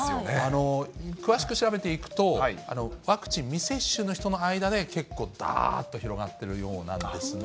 詳しく調べていくと、ワクチン未接種の人の間で結構だーっと広がっているようなんですね。